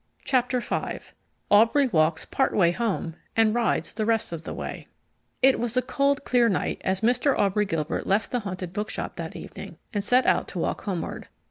Chapter V Aubrey Walks Part Way Home and Rides The Rest of the Way It was a cold, clear night as Mr. Aubrey Gilbert left the Haunted Bookshop that evening, and set out to walk homeward.